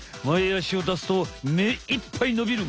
あしを出すとめいっぱい伸びる！